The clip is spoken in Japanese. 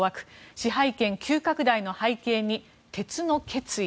支配圏急拡大の背景に鉄の決意。